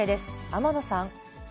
天野さん。